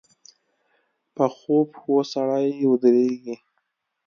پخو پښو سړی ودرېږي